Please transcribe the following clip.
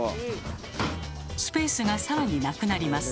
スペースが更になくなります。